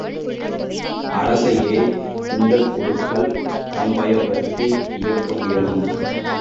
அரசையே இந்தக் குழூக்கள் தம்வயப்படுத்தி இயக்க முயலும்.